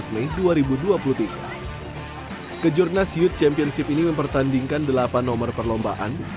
mei dua ribu dua puluh tiga kejurnas youth championship ini mempertandingkan delapan nomor perlombaan